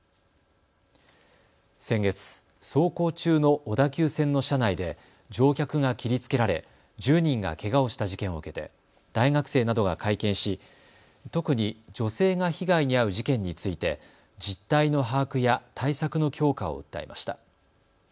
先月、走行中の小田急線の車内で乗客が切りつけられ１０人がけがをした事件を受けて大学生などが会見し特に女性が被害に遭う事件について実態の把握や対策の強化を訴えました。